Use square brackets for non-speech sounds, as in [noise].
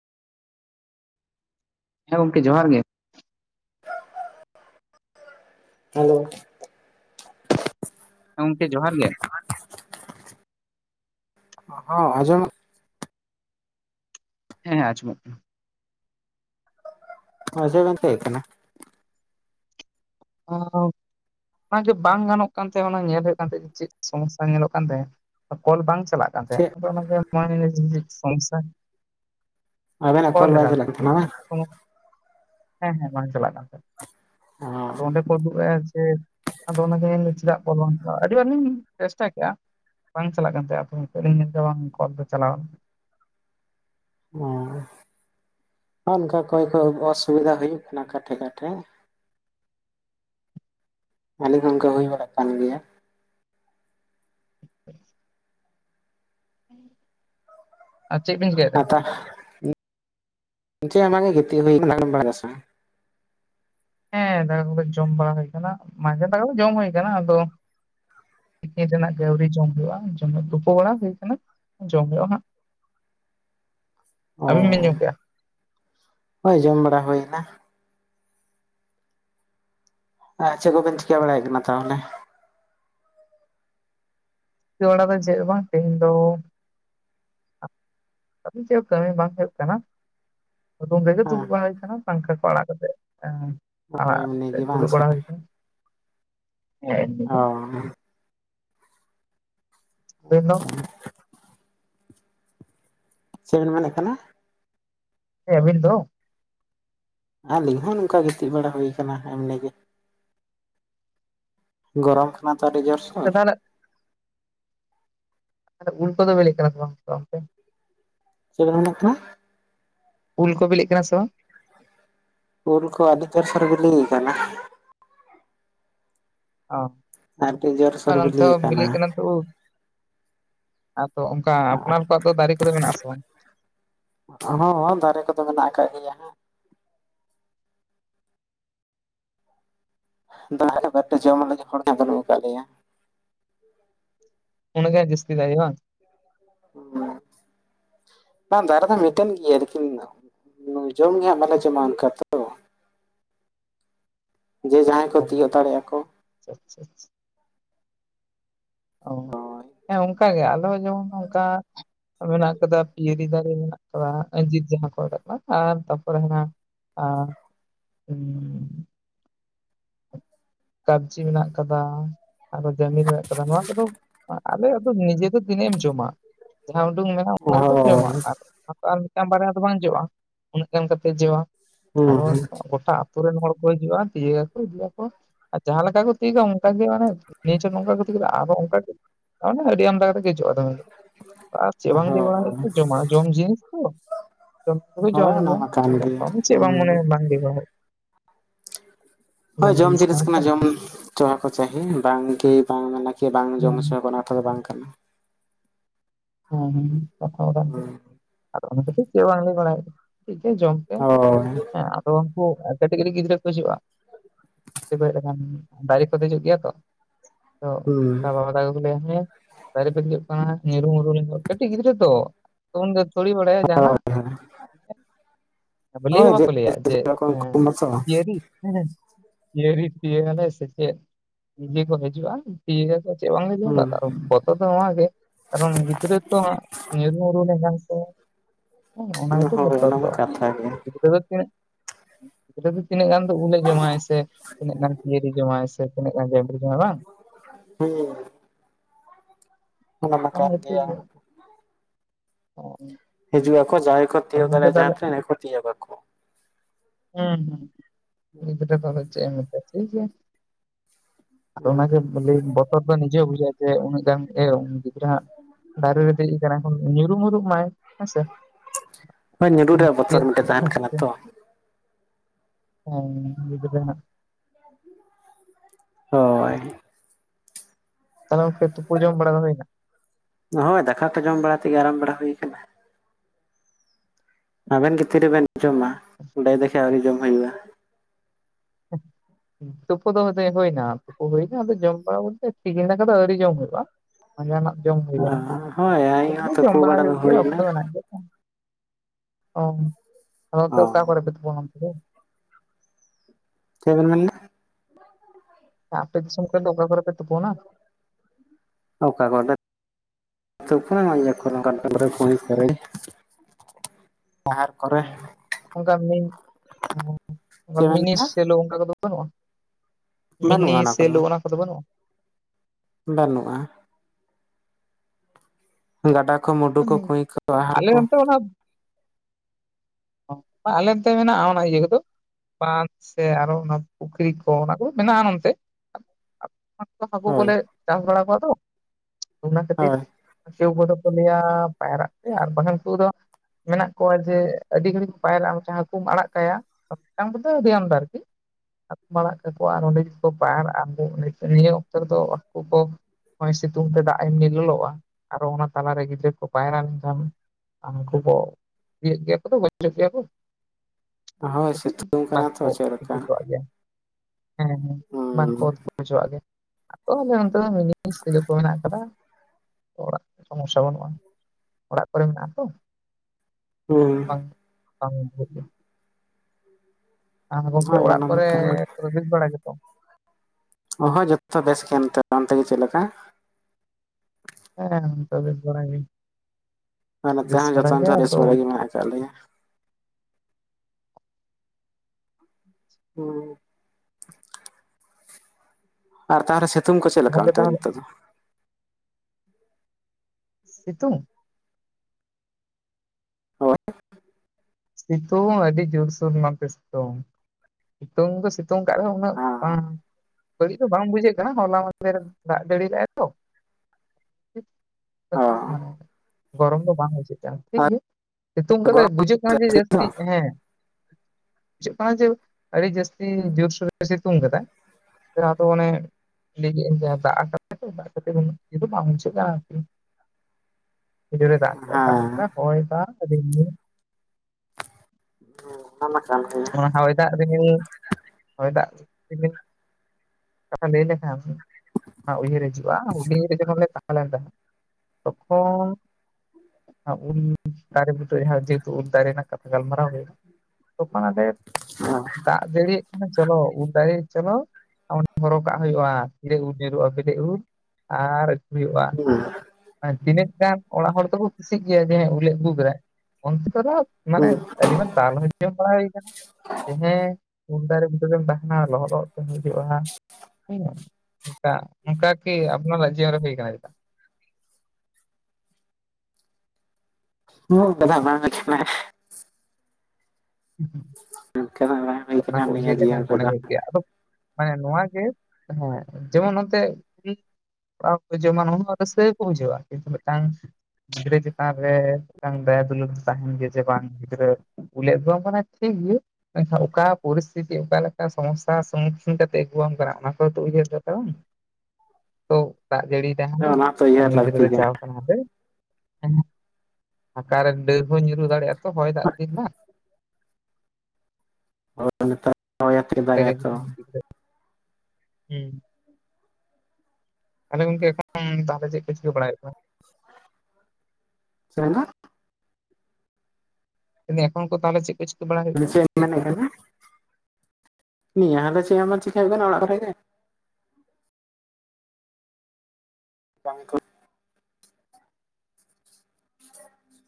ᱦᱮᱸ ᱜᱚᱝᱠᱮ ᱡᱚᱦᱟᱨ ᱜᱮ᱾ ᱦᱮᱞᱳ᱾ ᱦᱮᱸ ᱜᱚᱝᱠᱮ ᱡᱚᱦᱟᱨ ᱜᱮ᱾ ᱦᱚᱸ ᱟᱡᱚᱢᱚᱜ ᱦᱮᱸ ᱟᱡᱚᱢᱚᱸᱜ ᱠᱟᱱᱟ᱾ [inaudible] ᱛᱟᱦᱮᱸᱜ ᱠᱟᱱᱟ [inaudible] ᱚᱱᱟ ᱜᱮ ᱵᱟᱝ ᱜᱟᱱᱚᱜ ᱠᱟᱱ ᱛᱟᱦᱮᱸ ᱚᱱᱟ ᱧᱮᱞ ᱦᱳᱭᱳᱜ ᱠᱟᱱ ᱛᱟᱦᱮᱜ ᱪᱮᱫ ᱥᱚᱢᱚᱥᱥᱟ ᱧᱮᱞᱚᱜ ᱠᱟᱱ ᱛᱟᱦᱮᱸᱜ ᱠᱚᱞ ᱵᱟᱝ ᱪᱟᱞᱟᱜ ᱠᱟᱱ ᱛᱟᱦᱮᱸᱜ ᱪᱮᱫ ᱟᱫᱚ ᱚᱱᱟᱜᱮ [unintelligible] ᱥᱚᱢᱚᱥᱥᱟ ᱟᱵᱮᱱᱟᱜ ᱠᱚᱞ ᱞᱮᱫᱟ ᱵᱟᱭ ᱪᱟᱞᱟᱜ ᱠᱟᱱ ᱟᱨᱠᱤ ᱛᱟᱦᱮᱱᱟ ᱵᱟᱝ [unintelligible] ᱦᱮᱸ ᱦᱮᱸ ᱵᱟᱝ ᱪᱟᱞᱟᱜ ᱠᱟᱱᱟ ᱛᱟᱦᱮᱸᱫ, ᱟᱫᱚ ᱚᱸᱰᱮ ᱠᱚ ᱩᱫᱩᱜ ᱮᱜᱼᱟ ᱡᱮ ᱟᱫᱚ ᱚᱱᱟ ᱫᱚ ᱪᱮᱫᱟᱜ ᱠᱚ ᱱᱚᱝᱠᱟ ᱟᱹᱰᱤ ᱵᱟᱨᱟ ᱞᱤᱧ ᱪᱮᱥᱴᱟ ᱠᱮᱫᱟ ᱵᱟᱝ ᱪᱟᱞᱟᱜ ᱠᱟᱱ ᱛᱟᱦᱮᱸᱫ ᱟᱫᱚ ᱱᱤᱛᱚᱜ ᱞᱤᱧ ᱧᱮᱞᱮᱫ ᱵᱟᱝ ᱠᱚᱞ ᱫᱚ ᱪᱟᱞᱟᱣᱱᱟ᱾ ᱚᱻ ᱚᱝᱠᱟ ᱚᱠᱚᱭ ᱠᱚ ᱚᱥᱩᱵᱤᱫᱟ ᱦᱩᱭᱩᱜ ᱠᱟᱱᱟ ᱚᱠᱟᱴᱷᱮᱡ ᱚᱠᱟᱴᱷᱮᱡ, ᱟᱞᱮ ᱦᱚᱸ ᱚᱱᱠᱟ ᱦᱩᱭ ᱵᱟᱲᱟᱜ ᱠᱟᱱ ᱜᱮᱭᱟ, [unintelligible] [unintelligible] ᱟᱨ ᱪᱮᱫ ᱵᱤᱱ ᱪᱤᱠᱟᱹᱭᱮᱫ ᱛᱟᱦᱮᱸᱫ? ᱟᱛᱟ ᱪᱮᱫ ᱦᱚᱸ ᱵᱟᱝ ᱜᱮᱫ ᱜᱤᱛᱤᱡ ᱦᱩᱭ [unintelligible] ᱵᱟᱭ ᱨᱮ ᱥᱮᱜ ᱦᱮᱸ ᱫᱟᱠᱟ ᱠᱚᱫᱚ ᱡᱚᱢ ᱵᱟᱲᱟ ᱦᱩᱭ ᱟᱠᱟᱱᱟ, ᱢᱟᱡᱟᱱ ᱫᱟᱠᱟ ᱫᱚ ᱡᱚᱢ ᱦᱩᱭ ᱟᱠᱟᱱᱟ ᱟᱫᱚ ᱛᱤᱠᱤ ᱨᱮᱱᱟᱜ ᱜᱟᱹᱣᱨᱤ ᱡᱚᱢ ᱦᱩᱭᱩᱜᱼᱟ, ᱡᱚᱢ ᱛᱩᱯᱩ ᱵᱟᱲᱟ ᱦᱩᱭ ᱟᱠᱟᱱᱟ ᱡᱚᱢ ᱦᱩᱭᱩᱜᱼᱟ ᱦᱟᱸᱜ᱾ ᱚ ᱟᱵᱮᱱ ᱵᱤᱱ ᱡᱚᱢ ᱠᱮᱜᱼᱟ? ᱦᱳᱭ ᱡᱚᱢ ᱵᱟᱲᱟ ᱦᱩᱭᱮᱱᱟ᱾ ᱟ ᱪᱮᱫ ᱠᱚᱵᱮᱱ ᱪᱤᱠᱟᱹ ᱵᱟᱲᱟᱭᱮᱫ ᱠᱟᱱᱟ ᱛᱟᱦᱚᱞᱮ? ᱪᱤᱠᱟᱹ ᱵᱟᱲᱟ ᱫᱚ ᱪᱮᱫ ᱵᱟᱝ ᱛᱮᱦᱮᱧ ᱫᱚ ᱠᱟᱹᱢᱤ ᱪᱮᱫ ᱠᱟᱹᱢᱤ ᱵᱟᱝ ᱦᱩᱭᱩᱜ ᱠᱟᱱᱟ, ᱥᱩᱫᱷᱩᱢ ᱨᱮᱜᱮ ᱫᱩᱲᱩᱵ ᱦᱮᱸ ᱵᱟᱝ ᱦᱩᱭ ᱠᱟᱱᱟ ᱯᱟᱝᱠᱷᱟ ᱠᱚ ᱟᱲᱟᱜ ᱠᱟᱛᱮᱜ ᱮᱸᱻ ᱮᱢᱱᱤ ᱟᱲᱟᱜ ᱜᱮ ᱵᱟᱝ ᱫᱩᱲᱩᱵ ᱥᱮ ᱵᱟᱲᱟ ᱦᱩᱭ ᱠᱟᱱᱟ ᱦᱮᱸ ᱚ [unintelligible] ᱟᱹᱵᱤᱱ ᱫᱚ [unintelligible] ᱪᱮᱫᱵᱤᱱ ᱢᱮᱱᱮᱫ ᱛᱟᱦᱮᱱᱟ? ᱟᱵᱤᱱ ᱫᱚ ᱟᱹᱞᱤᱧ ᱦᱚᱸ ᱱᱚᱝᱠᱟ ᱜᱮ ᱜᱤᱛᱤᱡ ᱵᱟᱲᱟ ᱦᱩᱭ ᱠᱟᱱᱟ ᱮᱢᱱᱤ ᱜᱮ, ᱜᱚᱨᱚᱢ ᱠᱟᱱᱟ ᱛᱚ ᱟᱹᱰᱤ ᱡᱳᱨᱼᱥᱳᱨ, ᱛᱟᱦᱚᱞᱮ ᱟᱫᱚ ᱩᱞ ᱠᱚᱫᱚ ᱵᱮᱞᱮᱜ ᱠᱟᱱᱟ ᱥᱮ ᱵᱟᱝ ᱟᱯᱮ ᱚᱱᱛᱮ? ᱪᱮᱫ ᱵᱮᱱ ᱢᱮᱱᱮᱫ ᱛᱟᱦᱮᱸᱱᱟ? ᱩᱞ ᱠᱚ ᱵᱤᱞᱤᱜ ᱠᱟᱱᱟ ᱥᱮ ᱵᱟᱝ? ᱩᱞ ᱠᱚ ᱟᱹᱰᱤ ᱡᱳᱨᱼᱥᱳᱨ ᱵᱤᱞᱤ ᱠᱟᱱᱟ᱾ ᱚ, ᱟᱹᱰᱤ ᱟᱞᱮ ᱡᱳᱨᱥᱳᱨ ᱱᱚᱛᱮ ᱵᱤᱞᱤ ᱦᱚᱸ ᱵᱤᱞᱤᱜ ᱟᱠᱟᱱᱟ ᱠᱟᱱᱟ ᱛᱚ ᱩᱞ᱾ ᱟᱫᱚ ᱚᱱᱠᱟ ᱟᱯᱱᱟᱨ ᱠᱚᱣᱟᱜ ᱫᱚ ᱫᱟᱨᱮ ᱠᱚᱫᱚ ᱢᱮᱱᱟᱜ ᱟᱥᱮ ᱵᱟᱝ? ᱦᱚᱸ ᱦᱚᱸ ᱫᱟᱨᱮ ᱠᱚᱫᱚ ᱢᱮᱱᱟᱜ ᱟᱠᱟᱫ ᱜᱮᱭᱟ ᱦᱟᱸᱜ, ᱫᱟᱦᱨᱮ [unintelligible] ᱡᱚᱢ ᱞᱟᱹᱜᱤᱫ ᱦᱚᱲ ᱜᱮ ᱵᱟᱱᱩᱜ ᱟᱠᱟᱫ ᱞᱮᱭᱟ᱾ ᱩᱱᱟᱜᱮ ᱡᱟᱹᱥᱛᱤ ᱫᱟᱭᱮ ᱵᱟᱝ? [unintelligible] ᱵᱟᱝ ᱫᱟᱨᱮ ᱫᱚ ᱢᱤᱫᱴᱟᱝ ᱜᱮᱭᱟ ᱟᱨᱠᱤ ᱡᱚᱢ ᱜᱮ ᱦᱟᱸᱜ ᱵᱟᱞᱮ ᱡᱚᱢᱟ ᱚᱱᱠᱟ ᱫᱚ, ᱡᱮ ᱡᱟᱦᱟᱸᱭ ᱠᱚ ᱚ ᱛᱤᱭᱳᱜ ᱫᱟᱲᱮᱭᱟᱜ ᱠᱚ [unintelligible] ᱚ ᱦᱳᱭ ᱦᱮᱸ ᱚᱱᱠᱟᱜᱮ ᱟᱞᱮ ᱦᱚᱸ ᱡᱮᱢᱚᱱ ᱚᱱᱠᱟ ᱢᱮᱱᱟᱜ ᱠᱟᱫᱟ ᱯᱤᱭᱲᱤ ᱫᱟᱨᱮ ᱢᱮᱱᱟᱜ ᱠᱟᱫᱟ ᱟᱸᱡᱤᱨ ᱡᱟᱦᱟᱸ ᱠᱚ ᱢᱮᱛᱟᱜ ᱠᱟᱱᱟ ᱟᱨ ᱛᱟᱨᱯᱚᱨᱮ ᱦᱮᱱᱟᱜᱼᱟ᱾ ᱟᱨ ᱦᱮᱸ ᱥᱟᱵᱽᱡᱤ ᱢᱮᱱᱟᱜ ᱠᱟᱫᱟ ᱟᱨᱚ ᱡᱟᱢᱤᱱ ᱢᱮᱱᱟᱜ ᱟᱠᱟᱫᱟ ᱱᱚᱣᱟ ᱠᱚᱫᱚ ᱟᱞᱮ ᱟᱫᱚ ᱱᱤᱡᱮ ᱫᱚ ᱛᱤᱱᱟᱹᱜ ᱮᱢ ᱡᱚᱢᱟ᱾ ᱡᱟᱦᱟᱸ ᱩᱰᱩᱝ ᱢᱮᱱᱟᱜᱼᱟ ᱚᱱᱟ ᱜᱮᱛᱚᱢ ᱦᱳᱭ ᱡᱚᱢᱟ ᱟᱨ ᱟᱨ ᱢᱤᱫᱴᱟᱱ ᱵᱟᱨᱭᱟ ᱫᱚ ᱵᱟᱝ ᱡᱚᱜᱼᱟ ᱩᱱᱟᱹᱜ ᱜᱟᱱ ᱠᱟᱛᱮ ᱡᱚᱜᱼᱟ ᱦᱩᱸ ᱟᱨᱚ ᱦᱩᱸ [unintelligible] ᱟᱹᱛᱩ ᱨᱮᱱ ᱦᱚᱲ ᱠᱚ ᱦᱤᱡᱩᱜᱼᱟ, ᱛᱤᱭᱟᱹᱜᱟᱠᱚ ᱤᱫᱤᱭᱟᱠᱚ ᱟᱨ ᱡᱟᱦᱟᱸ ᱞᱮᱠᱟ ᱠᱚ ᱛᱤᱭᱩᱜᱟ᱾ ᱚᱱᱠᱟᱜᱮ ᱢᱟᱱᱮ ᱱᱤᱭᱟᱹ ᱦᱚᱸ ᱱᱚᱝᱠᱟ ᱠᱚ ᱛᱤᱭᱩᱜᱟ ᱟᱨᱚ ᱚᱱᱠᱟᱜ ᱜᱮ ᱢᱟᱱᱮ ᱟᱹᱰᱤ ᱟᱢᱫᱟ [unintelligible] ᱟᱨ ᱪᱮᱫ ᱦᱚᱸ ᱵᱟᱝ ᱞᱟᱹᱭ ᱵᱟᱲᱟ ᱦᱩᱭ ᱦᱳᱭ ᱟᱠᱟᱱᱟ ᱡᱚᱢᱟ ᱡᱚᱢ ᱡᱤᱱᱤᱥ ᱛᱚ ᱡᱚᱢ ᱫᱚᱠᱚ ᱦᱳᱭ ᱡᱚᱢ ᱚᱱᱟ ᱜᱮᱭᱟ ᱢᱟ ᱾ ᱠᱟᱱ ᱟᱫᱚ ᱜᱮᱭᱟ ᱪᱮᱫ ᱦᱚᱸ ᱦᱩᱸ ᱵᱟᱝ ᱢᱟᱱᱮ ᱵᱟᱝ [unintelligible] ᱦᱳᱭ ᱡᱚᱢ ᱡᱤᱱᱤᱥ ᱠᱟᱱᱟ ᱡᱚᱢ ᱪᱚᱣᱟ ᱠᱚ ᱪᱟᱹᱦᱤ ᱵᱟᱝᱜᱤ ᱵᱟᱝ ᱢᱮ [unintelligible] ᱪᱮ ᱵᱟᱝ ᱡᱚᱢ ᱦᱮᱸ ᱦᱚᱪᱚ ᱠᱚᱣᱟ ᱚᱱᱟ ᱠᱟᱛᱷᱟ ᱫᱚ ᱵᱟᱝ ᱠᱟᱱᱟ᱾ ᱦᱮᱸ ᱦᱮᱸ [unintelligible] ᱵᱟᱝᱞᱮ ᱦᱳᱭ ᱵᱟᱲᱟᱭ ᱴᱷᱤᱠ ᱜᱮᱭᱟ ᱡᱚᱢ [unintelligible] ᱚ ᱛᱚ ᱩᱱᱠᱩ ᱠᱟᱹᱴᱤᱡ ᱠᱟᱹᱴᱤᱡ ᱜᱤᱫᱽᱨᱟᱹ ᱠᱚ ᱦᱤᱡᱩᱜᱼᱟ [unintelligible] ᱠᱚ ᱦᱮᱡ ᱞᱮᱠᱷᱟᱱ ᱫᱟᱨᱮ ᱠᱚ ᱫᱮᱡᱩᱜ ᱜᱮᱭᱟ ᱛᱚ᱾ ᱦᱩᱸ [unintelligible] ᱞᱟᱹᱭ ᱦᱮᱸ ᱫᱟᱨᱮ ᱯᱮ ᱫᱮᱡᱚᱜ ᱠᱟᱱᱟ ᱧᱩᱨᱩ ᱢᱩᱨᱩ [unintelligible] ᱠᱟᱹᱴᱤᱡ ᱜᱤᱫᱽᱨᱟᱹ ᱛᱚ ᱩᱱᱤ ᱫᱚ ᱛᱷᱚᱲᱤ ᱵᱟᱲᱟᱭᱟ ᱦᱳᱭ ᱡᱟᱦᱟᱸᱱᱟᱜ ᱾ ᱦᱳᱭ ᱟᱫᱚ ᱞᱟᱹᱭ ᱦᱚᱸ ᱦᱳᱭ ᱵᱟᱠᱚ ᱞᱟᱹᱭ ᱡᱚᱛᱚ ᱡᱮ ᱩᱱᱠᱩ ᱢᱟᱛᱚ ᱦᱮᱸ [unintelligible] ᱛᱤᱭᱟᱹᱨᱤ ᱛᱤᱭᱞᱮ ᱥᱮ ᱪᱮᱫ ᱱᱤᱡᱮ ᱠᱚ ᱦᱤᱡᱩᱜᱼᱟ᱾ ᱛᱤᱭᱩᱜᱟᱠᱚ ᱪᱮᱫ ᱦᱩᱸ [unintelligible] ᱵᱚᱛᱚᱨ ᱫᱚ ᱱᱚᱣᱟ ᱜᱮ ᱠᱟᱨᱚᱱ [unintelligible] ᱜᱤᱫᱽᱨᱟᱹ ᱛᱚ ᱧᱤᱨᱩ ᱢᱩᱨᱩ [unintelligible] ᱦᱮᱸ ᱚᱱᱟ ᱜᱮᱛᱚ ᱦᱳᱭ ᱵᱚᱛᱚᱨ ᱚᱱᱟ ᱫᱚ ᱢᱟ ᱠᱟᱛᱷᱟ ᱜᱮ ᱜᱤᱫᱽᱨᱟᱹ ᱫᱚ ᱛᱤᱱᱟᱹᱜ ᱜᱤᱫᱽᱨᱟᱹ ᱫᱚ ᱛᱤᱱᱟᱹᱜ ᱜᱟᱱ ᱫᱚ ᱩᱞᱮ ᱡᱚᱢᱟᱭ ᱥᱮ ᱛᱤᱱᱟᱹᱜ ᱜᱟᱱ ᱯᱤᱭᱟᱹᱨᱤ ᱡᱚᱢᱟᱭ ᱥᱮ ᱥᱮ ᱛᱤᱱᱟᱹᱜ ᱜᱟᱱ [unintelligible] ᱵᱟᱝ ᱦᱮᱸ ᱚᱱᱟ [unintelligible] ᱚ ᱦᱤᱡᱩᱜ ᱟᱠᱚ ᱡᱟᱦᱟᱸᱭ ᱠᱚ ᱛᱤᱭᱳᱜ ᱫᱟᱲᱮᱭᱟᱜ ᱡᱟᱦᱟᱸ ᱤᱱᱟ ᱠᱚ ᱛᱤᱭᱳᱜᱟᱠᱚ᱾ ᱦᱮᱸ ᱦᱩᱸ ᱜᱤᱫᱽᱨᱟᱹ ᱫᱚ ᱟᱫᱚ ᱪᱮᱫ ᱮᱢ ᱢᱮᱛᱟᱭᱟ ᱴᱷᱤᱠ ᱜᱮᱭᱟ᱾ ᱟᱨ ᱚᱱᱟ ᱵᱚᱞᱮ ᱵᱚᱛᱚᱨ ᱫᱚ ᱱᱤᱡᱮ ᱵᱩᱡᱷᱟᱹᱜᱼᱟ ᱡᱮ ᱩᱱᱟᱹᱜ ᱜᱟᱱ [unintelligible] ᱫᱟᱨᱮ ᱨᱮ ᱫᱮᱡ ᱟᱠᱟᱱᱟ ᱮ ᱧᱩᱨᱩᱢ ᱦᱩᱨᱩᱜ ᱢᱟᱭ ᱦᱮᱸ ᱥᱮ ᱦᱳᱭ ᱧᱩᱨᱩ ᱨᱮᱭᱟᱜ ᱵᱚᱛᱚᱨ ᱢᱤᱫᱴᱮᱡ ᱛᱟᱦᱮᱱ ᱠᱟᱱᱟ [unintelligible] ᱛᱚ ᱦᱮᱸ ᱜᱤᱫᱽᱨᱟᱹ ᱦᱟᱸᱜ ᱦᱳᱭ ᱛᱟᱦᱚᱞᱮ ᱜᱚᱢᱠᱮ ᱛᱩᱯᱩ ᱡᱚᱢ ᱵᱟᱲᱟ ᱦᱩᱭᱱᱟ᱾ ᱦᱳᱭ ᱫᱟᱠᱟ ᱠᱚ ᱡᱚᱢ ᱵᱟᱲᱟ ᱛᱮᱜᱮ ᱟᱨᱟᱢ ᱵᱟᱲᱟ ᱦᱩᱭ ᱟᱠᱟᱱᱟ᱾ ᱟᱵᱮᱱ ᱜᱤ ᱛᱤ ᱨᱮᱵᱮᱱ ᱡᱚᱢᱟ ᱞᱟᱹᱭ ᱫᱟᱠᱤᱱ ᱟᱹᱣᱨᱤ ᱡᱚᱢ ᱦᱩᱭᱩᱜᱼᱟ᱾ [unintelligible] ᱛᱩᱯᱩ ᱫᱚ ᱦᱩᱭᱱᱟ ᱛᱩᱯᱩ ᱦᱩᱭᱱᱟ ᱟᱫᱚ ᱡᱚᱢ ᱵᱟᱲᱟ ᱠᱟᱛᱮ ᱛᱤᱠᱤᱱ ᱫᱟᱠᱟ ᱫᱚ ᱟᱹᱣᱨᱤ ᱡᱚᱢ ᱦᱩᱭᱩᱜᱼᱟ᱾ ᱢᱟᱸᱡᱟᱱᱟᱜ ᱡᱚᱢ ᱦᱩᱭᱩᱜᱼᱟ ᱦᱳᱭ ᱤᱧ ᱦᱚᱸ ᱡᱚᱢ ᱛᱩᱯᱩ ᱵᱟᱲᱟ ᱫᱚ ᱦᱩᱭᱩᱜ ᱜᱮᱭᱟ ᱚᱠᱛᱚ ᱦᱩᱭᱱᱟ ᱢᱮᱱᱟᱜ ᱜᱮ ᱚ ᱚᱠᱟ ᱠᱚᱨᱮᱫ ᱯᱮ ᱛᱩᱯᱩ ᱱᱟ [unintelligible] ᱪᱮᱫᱵᱮᱱ ᱢᱮᱱᱫᱟ ᱟᱯᱮ ᱫᱤᱥᱚᱢ ᱠᱚᱨᱮᱫ [unintelligible] ᱛᱩᱯᱩᱱᱟ᱾ ᱚᱠᱟ ᱠᱚ [unintelligible] ᱛᱩᱯᱩ ᱱᱟ [unintelligible] ᱠᱩᱧ ᱠᱚᱨᱮ ᱟᱦᱟᱨ ᱚ ᱠᱚᱨᱮ ᱚᱱᱠᱟ ᱪᱮᱫ ᱢᱮᱱᱫᱟ ᱢᱤᱱᱤᱥ ᱚᱱᱠᱟ ᱥᱮᱞᱚ ᱚᱱᱠᱟ ᱠᱚᱫᱚ ᱵᱟᱹᱱᱩᱜᱼᱟ, ᱢᱤᱱᱤ ᱥᱮᱞᱚ ᱚᱱᱟ ᱠᱚᱫᱚ ᱵᱟᱹᱱᱩᱜᱼᱟ᱾ ᱵᱟᱹᱱᱩᱜᱼᱟ᱾ ᱜᱟᱰᱟ ᱠᱚ ᱢᱩᱰᱩ ᱦᱩᱸ, ᱠᱚ ᱠᱩᱭ ᱠᱚ ᱟᱦᱟᱨ ᱠᱚ [unintelligible] ᱚ ᱟᱞᱮ ᱛᱮ ᱢᱮᱱᱟᱜ-ᱟ, ᱚᱱᱟ ᱤᱡᱟᱹ ᱠᱚᱫᱚ᱾ ᱵᱟᱸᱫᱷ ᱥᱮ ᱟᱨᱚ ᱚᱱᱟ ᱯᱩᱠᱷᱨᱤ ᱠᱚ ᱚᱱᱟ ᱠᱚ ᱢᱮᱱᱟᱜᱼᱟ ᱱᱚᱱᱛᱮ᱾ [unintelligible] ᱦᱟᱹᱠᱩ ᱦᱳᱭ ᱠᱚᱞᱮ ᱪᱟᱥ ᱵᱟᱲᱟ ᱠᱚᱣᱟ ᱛᱚ ᱚᱱᱟ ᱠᱷᱟᱹᱛᱤᱨ᱾ ᱦᱳᱭ ᱥᱮ ᱩᱱᱠᱩ ᱫᱚᱠᱚ ᱞᱟᱹᱭᱟ ᱯᱟᱭᱨᱟᱜ ᱯᱮ ᱟᱨ ᱵᱟᱠᱷᱟᱱ ᱩᱱᱠᱩ ᱫᱚ ᱢᱮᱱᱟᱜ ᱠᱚᱣᱟ ᱡᱮ ᱟᱹᱰᱤ ᱜᱷᱟᱹᱲᱤᱡ ᱯᱟᱭᱨᱟᱜ ᱟᱢ ᱥᱮ ᱦᱟᱹᱠᱩᱢ ᱟᱲᱟᱜ ᱠᱟᱭᱟ [unintelligible] ᱠᱚᱫᱚ ᱟᱹᱰᱤ ᱟᱢᱫᱟ ᱟᱨᱠᱤ᱾ ᱦᱟᱠᱩᱢ ᱟᱲᱟᱜ ᱠᱟᱠᱚᱣᱟ ᱟᱨ ᱱᱚᱸᱰᱮ ᱜᱮᱠᱚ ᱯᱟᱭᱨᱟᱜᱼᱟ ᱱᱤᱭᱟᱹ ᱚᱠᱛᱚ ᱨᱮᱫᱚ ᱦᱟᱠᱩ ᱠᱚ ᱱᱚᱜᱼᱚᱭ ᱥᱤᱛᱩᱝ ᱛᱮ ᱫᱟᱜ ᱮᱢᱱᱤ ᱞᱚᱞᱚᱜᱼᱟ᱾ ᱟᱫᱚ ᱚᱱᱟ ᱛᱟᱞᱟᱨᱮ ᱜᱤᱫᱽᱨᱟᱹ ᱠᱚ ᱯᱟᱭᱨᱟ ᱞᱮᱱᱠᱷᱟᱱ ᱦᱟᱠᱩ ᱠᱚ ᱡᱤᱣᱤᱫ ᱜᱮᱭᱟ ᱠᱚ ᱛᱚ ᱜᱚᱡ ᱦᱚᱪᱚᱜ ᱜᱮᱭᱟ ᱠᱚ᱾ ᱦᱳᱭ [unintelligible] ᱥᱤᱛᱩᱝ ᱵᱟᱠ ᱠᱟᱱᱟ ᱛᱚ ᱪᱮᱫ ᱞᱮᱠᱟ [unintelligible] ᱜᱮᱭᱟ ᱦᱮᱸ ᱦᱮᱸ ᱵᱟᱝᱠᱚ ᱦᱩᱸ [unintelligible] ᱦᱚᱪᱚᱣᱟᱜ ᱜᱮ ᱟᱫᱚ ᱱᱚᱱᱛᱮ ᱢᱤᱱᱤ ᱥᱮᱞᱳ ᱠᱚ ᱢᱮᱱᱟᱜ ᱠᱟᱫᱟ᱾ ᱚᱲᱟᱜ ᱥᱚᱢᱚᱥᱟ ᱵᱟᱹᱱᱩᱜᱼᱟ, ᱚᱲᱟᱜ ᱠᱚᱨᱮ ᱢᱮᱱᱟᱜᱼᱟ ᱛᱚ᱾ ᱦᱩᱸ ᱵᱟᱝ ᱵᱟᱝ ᱵᱩᱡᱷᱟᱹᱜ ᱵᱟᱝ ᱜᱚᱝᱠᱮ ᱦᱳᱭ ᱚᱲᱟᱜ ᱚᱱᱟ ᱢᱟ ᱠᱚᱨᱮ ᱠᱟᱱ ᱜᱮ ᱠᱚ ᱵᱮᱥ ᱵᱟᱲᱟ ᱜᱮᱛᱚ? ᱦᱚᱸ ᱦᱚᱸ ᱡᱷᱚᱛᱚ ᱵᱮᱥ ᱜᱮᱭᱟ ᱱᱤᱛᱚᱜ ᱫᱚ᱾ ᱚᱱᱛᱮ ᱜᱮ ᱪᱮᱫ ᱞᱮᱠᱟ? ᱦᱮᱸ ᱱᱤᱛᱚᱜ ᱵᱮᱥ ᱵᱟᱲᱟ ᱜᱮ᱾ ᱟᱨ ᱵᱮᱥ ᱱᱚᱛᱮᱦᱚᱸ ᱵᱟᱲᱟ ᱡᱷᱚᱛᱚᱱ ᱜᱮ ᱫᱚ ᱵᱮᱥ ᱟᱫᱚ ᱵᱟᱲᱟ ᱜᱮ ᱢᱮᱱᱟᱜ ᱟᱠᱟᱫ ᱞᱮᱭᱟ᱾ ᱦᱩᱸ ᱟᱨ ᱛᱟᱦᱚᱞᱮ ᱥᱤᱛᱩᱝ ᱠᱚ ᱪᱮᱫ ᱞᱮᱠᱟ ᱜᱚᱝᱠᱮ ᱛᱟᱦᱚᱞᱮ ᱱᱤᱛᱚᱜ ᱫᱚ? ᱥᱤᱛᱩᱝ ᱦᱳᱭ ᱥᱤᱛᱩᱝ ᱟᱹᱰᱤ ᱡᱳᱨᱥᱩᱨ ᱱᱚᱛᱮ ᱥᱤᱛᱩᱝ᱾ ᱛᱩᱝ ᱫᱚ ᱥᱤᱛᱩᱝ ᱠᱟᱫ ᱨᱮᱦᱚᱸ ᱩᱱᱟᱹᱜ ᱵᱟᱝ᱾ ᱵᱟᱹᱲᱤᱡ ᱫᱚ ᱵᱟᱝ ᱵᱩᱡᱷᱟᱹᱜ ᱠᱟᱱᱟ ᱦᱚᱞᱟ ᱢᱟᱫᱷᱮᱨ ᱫᱟᱜ ᱡᱟᱹᱲᱤ ᱞᱮᱜᱼᱟᱭ᱾ ᱚ [unintelligible] ᱢᱟᱱᱮ ᱜᱚᱨᱚᱢ ᱫᱚ ᱵᱟᱝ ᱵᱩᱡᱟᱹᱜ ᱠᱟᱱᱟ᱾ ᱴᱷᱤᱠ ᱜᱮᱭᱟ ᱥᱤᱛᱩᱝ ᱠᱟᱫᱟᱭ ᱜᱚᱨᱚᱢ ᱵᱩᱡᱷᱟᱹᱜ ᱠᱟᱱᱟ ᱡᱮ ᱫᱚ ᱡᱟᱹᱥᱛᱤ ᱦᱮᱸ᱾ ᱵᱩᱡᱟᱹᱜ ᱠᱟᱱᱟ ᱡᱮ ᱟᱹᱰᱤ ᱡᱟᱹᱥᱛᱤ ᱡᱳᱨᱥᱳᱨᱮ ᱥᱤᱛᱩᱝ ᱠᱟᱫᱟ᱾ ᱡᱟᱦᱟᱸ ᱫᱚ ᱚᱱᱮ ᱞᱤᱸᱜᱤ [unintelligible] ᱫᱟᱜ ᱟᱠᱟᱫ ᱟᱭ ᱛᱚ ᱫᱟᱜ ᱠᱟᱛᱮ ᱵᱟᱝ ᱢᱩᱪᱷᱟᱜ ᱠᱟᱱᱟ ᱟᱨᱠᱤ᱾ ᱟᱹᱰᱤ ᱡᱳᱨ ᱮ ᱫᱟᱜ ᱠᱮᱜ-ᱟ ᱫᱟᱜ ᱦᱮᱸ ᱠᱮᱫᱟ ᱦᱚᱭ ᱫᱟᱜ ᱨᱤᱢᱤᱞ ᱚᱱᱟ ᱠᱷᱟᱱᱜᱮ ᱚᱱᱟ ᱦᱚᱭ ᱫᱟᱜ ᱨᱤᱢᱤᱞ ᱦᱚᱭ ᱫᱟᱜ ᱨᱤᱢᱤᱞ ᱠᱟᱛᱷᱟ ᱞᱟᱹᱭ ᱞᱮᱠᱷᱟᱱ ᱚᱱᱟ ᱩᱭᱦᱟᱹᱨ ᱦᱤᱡᱩᱜᱼᱟ ᱦᱩᱰᱤᱧ ᱨᱮ ᱡᱮᱠᱷᱚᱱ ᱞᱮ ᱛᱟᱦᱮᱸ ᱞᱮᱱ ᱛᱟᱦᱮᱸᱫ᱾ ᱛᱚᱠᱷᱚᱱ ᱦᱚᱸ ᱩᱞ ᱫᱟᱨᱮ ᱵᱩᱴᱟ ᱨᱮ ᱡᱟᱦᱟᱸ ᱡᱮᱦᱮᱛᱩ ᱩᱞ ᱫᱟᱨᱮ ᱨᱮᱱᱟᱜ ᱠᱟᱛᱷᱟ ᱜᱟᱞᱢᱟᱨᱟᱣ ᱦᱩᱭᱩᱜ᱾ ᱚᱱᱟᱛᱮ ᱦᱩᱸ ᱫᱟᱜ ᱡᱟᱹᱲᱤᱭᱮᱫ ᱠᱟᱱᱟ ᱪᱚᱞᱚ ᱩᱞ ᱫᱟᱨᱮ ᱪᱚᱞᱚ᱾ ᱩᱱ ᱦᱚᱨᱚ ᱠᱟᱜ ᱦᱩᱭᱩᱜᱼᱟ, ᱛᱤᱨᱮ ᱩᱞ ᱧᱩᱨᱩᱜᱼᱟ ᱵᱮᱞᱮ ᱩᱞ ᱟᱨ ᱟᱹᱜᱩᱭ ᱦᱩᱭᱩᱜᱼᱟ᱾ ᱟᱨ ᱛᱤᱱᱟᱹᱜ ᱜᱟᱱ ᱚᱲᱟᱜ ᱦᱚᱲ ᱫᱚᱠᱚ ᱠᱩᱥᱤᱜ ᱜᱮᱭᱟ᱾ ᱡᱮ ᱦᱮᱸ ᱩᱞᱮ ᱟᱹᱜᱩ ᱠᱮᱫᱟᱭ ᱚᱱᱠᱩ ᱠᱚᱫᱚ ᱢᱟᱱᱮ ᱦᱩᱸ ᱟᱹᱰᱤᱜᱟᱱ ᱫᱟᱞ ᱦᱚᱸ ᱡᱚᱢ ᱵᱟᱲᱟ ᱦᱩᱭ ᱠᱟᱱᱟ᱾ ᱮ ᱦᱮᱸ ᱩᱞ ᱫᱟᱨᱮ ᱵᱩᱴᱟᱹ ᱨᱮᱢ ᱛᱟᱦᱮᱸᱱᱟ ᱞᱚᱦᱚᱫᱚᱜ ᱛᱮᱢ ᱦᱤᱡᱩᱜᱼᱟ᱾ [unintelligible] ᱚᱱᱠᱟ ᱚᱱᱠᱟ ᱠᱤ ᱟᱯᱱᱟ ᱡᱤᱭᱚᱱ ᱨᱮ ᱦᱩᱭ ᱠᱟᱱᱟ ᱪᱮᱛᱟ? ᱦᱩᱸ ᱫᱟᱫᱟ ᱵᱟᱝᱟ ᱪᱷᱟᱲᱟ ᱚᱱᱠᱟ ᱫᱚ ᱵᱟᱝ ᱦᱩᱭ ᱟᱫᱚ ᱚᱱᱟ ᱠᱟᱱᱟ ᱠᱚ ᱱᱤᱭᱟᱹ ᱩᱭᱦᱟᱹᱨ ᱡᱤᱭᱚᱱ ᱞᱮᱠᱷᱟᱱ ᱢᱚᱱᱮ ᱨᱮᱫᱚ ᱦᱩᱭᱩᱜ ᱜᱮᱭᱟ ᱟᱫᱚ᱾ ᱢᱟᱱᱮ ᱱᱚᱣᱟᱜᱮ ᱮᱦᱮᱸ ᱡᱮᱢᱚᱱ ᱱᱚᱛᱮ ᱤ ᱚᱲᱟᱜ ᱦᱚᱲ ᱠᱚᱠᱚ ᱡᱚᱢᱟ ᱩᱱ ᱫᱚ ᱨᱟᱹᱥᱠᱟ ᱜᱮᱠᱚ ᱵᱩᱡᱷᱟᱹᱣᱟ᱾ ᱠᱤᱱᱛᱩ ᱢᱤᱫᱴᱟᱝ ᱜᱤᱫᱽᱨᱟᱹ ᱪᱮᱛᱟᱱ ᱨᱮ ᱢᱤᱫᱴᱟᱝ ᱫᱟᱭᱟ ᱫᱩᱞᱟᱹᱲ ᱛᱟᱦᱮᱸᱱ ᱜᱮᱭᱟ ᱡᱮ ᱵᱟᱝ ᱜᱤᱫᱽᱨᱟᱹ ᱩᱞᱮ ᱟᱜᱩᱣᱟᱢ᱾ ᱢᱟᱱᱮ ᱴᱷᱤᱠ ᱜᱮ, ᱢᱮᱱᱠᱷᱟᱱ ᱚᱠᱟ ᱯᱚᱨᱤᱥᱛᱷᱤᱛᱤ ᱚᱠᱟᱞᱮᱠᱟ ᱥᱚᱢᱚᱥᱥᱟ ᱥᱚᱢᱢᱩᱠᱷᱤᱱ ᱠᱟᱛᱮ ᱟᱹᱜᱩᱣᱟᱢ ᱠᱟᱱᱟ᱾ ᱚᱱᱟ ᱠᱚᱫᱚ ᱩᱭᱦᱟᱹᱨ ᱫᱟ ᱛᱚ ᱵᱟᱝ᱾ ᱛᱚ ᱫᱟᱜ ᱡᱟᱹᱲᱤᱭ ᱫᱟᱭ ᱦᱮᱸ ᱦᱟᱸᱰᱮ ᱚᱱᱟ ᱦᱚᱸᱛᱚ ᱟᱨ ᱩᱭᱦᱟᱹᱨ ᱩᱱᱤ ᱜᱤᱫᱽᱨᱟᱹ ᱞᱟᱹᱠᱛᱤ ᱫᱚᱭ ᱠᱟᱱᱟ ᱪᱟᱣ ᱠᱟᱱᱟᱭ ᱦᱟᱸᱰᱮ᱾ [unintelligible] ᱚᱠᱟᱨᱮ ᱰᱟᱹᱨ ᱠᱚ ᱧᱩᱨᱩ ᱫᱟᱲᱮᱭᱟᱜ-ᱟ, ᱛᱚ ᱦᱚᱭ ᱫᱟᱜ ᱫᱤᱱ ᱵᱟᱝ᱾ ᱦᱳᱭ ᱱᱮᱛᱟᱨ ᱦᱚᱭ ᱟᱛᱮ ᱫᱟᱜᱟᱭ ᱚᱸᱰᱮᱜᱮ ᱛᱚ ᱦᱩᱸ, ᱛᱟᱦᱚᱞᱮ ᱜᱚᱢᱠᱮ ᱮᱠᱷᱚᱱ, ᱛᱟᱦᱚᱞᱮ ᱪᱮᱫ ᱠᱚ ᱪᱤᱠᱟ ᱵᱟᱲᱟᱭ ᱦᱩᱭᱚᱜ ᱠᱟᱱᱟ? ᱪᱮᱫᱮᱢᱢᱮᱱᱫᱟ? ᱮᱠᱷᱚᱱ ᱠᱷᱚ ᱛᱟᱦᱞᱮ ᱪᱮᱫ ᱯᱮ ᱪᱤᱠ? ᱪᱮᱫ ᱢᱮᱱᱮᱜᱼᱮ ᱠᱟᱱᱟ? ᱱᱤᱭᱟ ᱫᱚ ᱪᱮᱫ ᱦᱚᱸ ᱵᱟᱝ ᱪᱤᱠᱟᱹᱭᱮᱫ ᱠᱟᱱᱟ, ᱚᱲᱟᱜ ᱠᱚᱨᱮ ᱜᱮ ᱠᱟᱹᱢᱤ ᱠᱚ